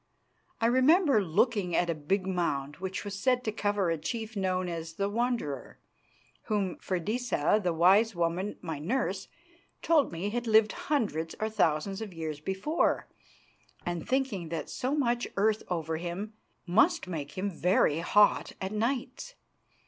I remember looking at a big mound which was said to cover a chief known as "The Wanderer," whom Freydisa, the wise woman, my nurse, told me had lived hundreds or thousands of years before, and thinking that so much earth over him must make him very hot at nights.